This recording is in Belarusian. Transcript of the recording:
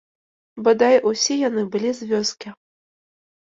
Бадай усе яны былі з вёскі.